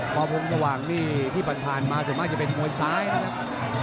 พอพงสว่างนี่ที่ผ่านมาส่วนมากจะเป็นมวยซ้ายนะครับ